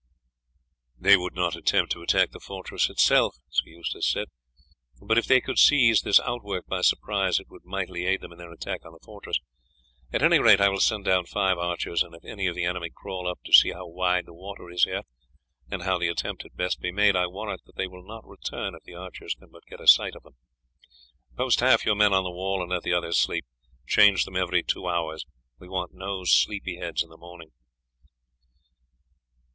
"They would not attempt to attack the fortress itself," Sir Eustace said; "but if they could seize this outwork by surprise it would mightily aid them in their attack on the fortress; at any rate I will send down five archers, and if any of the enemy crawl up to see how wide the water is here, and how the attempt had best be made, I warrant that they will not return if the archers can but get a sight of them. Post half your men on the wall, and let the others sleep; change them every two hours we want no sleepy heads in the morning."